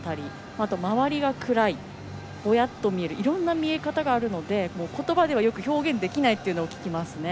あと、周りが暗いぼやっと見えるいろんな見え方があるので言葉ではよく表現できないというのをよく聞きます。